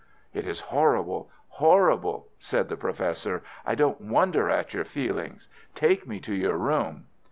"It is horrible—horrible!" said the Professor. "I don't wonder at your feelings. Take me to your room."